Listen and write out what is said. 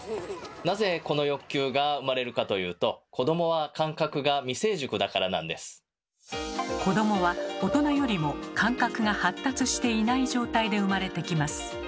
なぜこの欲求が生まれるかというと子どもは大人よりも感覚が発達していない状態で生まれてきます。